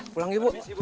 pulang ya bu